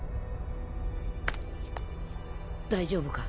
大丈夫か？